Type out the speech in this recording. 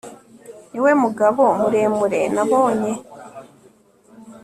Niwe mugabo muremure nabonye